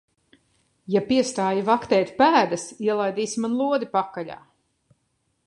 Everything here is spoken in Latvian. Ja piestāji vaktēt pēdas, ielaidīsi man lodi pakaļā.